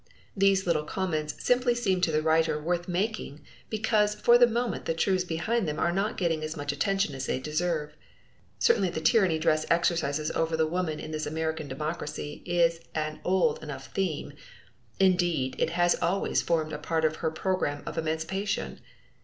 These little comments simply seem to the writer worth making because for the moment the truths behind them are not getting as much attention as they deserve. Certainly the tyranny dress exercises over the woman in this American democracy is an old enough theme. Indeed, it has always formed a part of her program of emancipation.